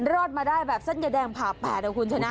รอดมาได้แบบแซ่นแยดแดงผ่าแพ้ถึงคุณจังนะ